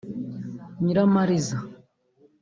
Nyiramariza